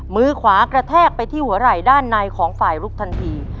มือขวากระแทกไปที่หัวไหล่ด้านในของฝ่ายลุกทันที